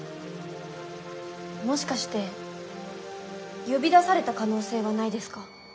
もしかして呼び出された可能性はないですか？